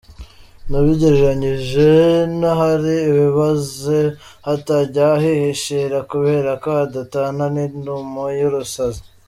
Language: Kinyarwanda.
Nabigereranyije n’ahari ibiboze hatajya hihishira kubera ko hadatana n’intumo y’urusazi.